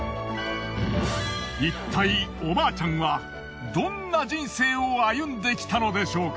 いったいおばあちゃんはどんな人生を歩んできたのでしょうか？